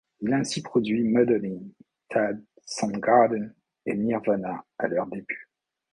Il a ainsi produit Mudhoney, Tad, Soundgarden et Nirvana à leurs débuts.